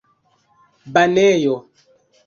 banejo